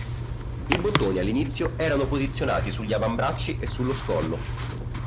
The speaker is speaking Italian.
I bottoni all'inizio erano posizionati sugli avambracci e sullo scollo.